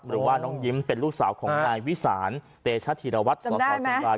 หรือว่าน้องยิ้มเป็นลูกสาวของนายวิสานเตชธีรวัตรสสเชียงราย